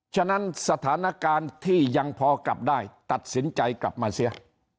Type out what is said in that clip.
ฉะนั้นสถานการณ์ที่ยังพอกลับได้ตัดสินใจกลับมาเสีย